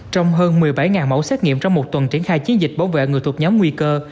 trong hơn một mươi bảy mẫu xét nghiệm trong một tuần triển khai chiến dịch bảo vệ người thuộc nhóm nguy cơ